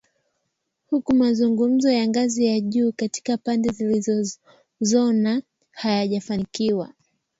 huku mazungumzo ya ngazi ya juu kati ya pande zinazozozana hayajafanikiwa